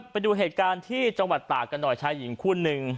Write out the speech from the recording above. ไปดูเหตุการณ์ที่จังหวัดตากกันหน่อยชายหญิงคู่หนึ่ง